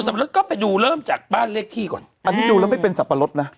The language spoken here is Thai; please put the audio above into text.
รถก็ไปดูเริ่มจากบ้านเลขที่ก่อนอันนี้ดูแล้วไม่เป็นสับปะรดนะ